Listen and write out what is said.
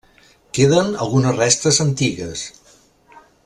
Queden algunes restes antigues.